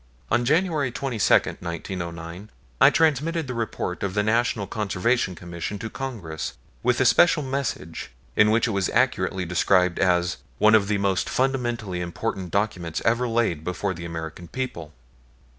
On January 22, 1909, I transmitted the report of the National Conservation Commission to Congress with a Special Message, in which it was accurately described as "one of the most fundamentally important documents ever laid before the American people."